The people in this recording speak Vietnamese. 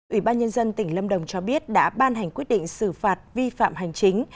ủy ban nhân dân tỉnh lâm đồng cho biết đã ban hành quyết định xử phạt vi phạm hành chính